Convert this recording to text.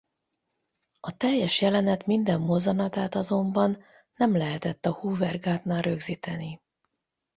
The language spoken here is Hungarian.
A teljes jelenet minden mozzanatát azonban nem lehetett a Hoover-gátnál rögzíteni.